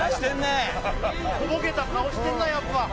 ボケた顔してんな、やっぱ。